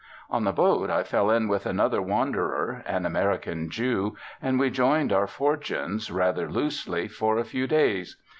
On the boat I fell in with another wanderer, an American Jew, and we joined our fortunes, rather loosely, for a few days.